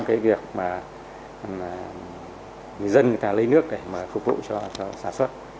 cái việc mà người dân người ta lấy nước để mà phục vụ cho sản xuất